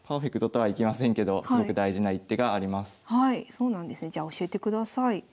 そうなんですねじゃあ教えてください。